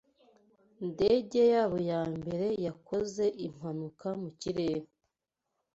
ndege yabo ya mbere yakoze impanuka mukirere